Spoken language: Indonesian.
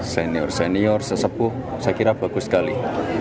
senior senior sesepuh saya kira bagus sekali